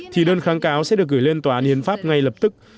thì đơn kháng cáo sẽ được gửi lên tòa án hiến pháp ngay lập tức